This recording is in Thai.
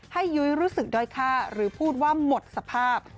ยุ้ยรู้สึกด้อยค่าหรือพูดว่าหมดสภาพ